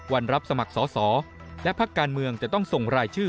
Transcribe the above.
รับสมัครสอสอและพักการเมืองจะต้องส่งรายชื่อ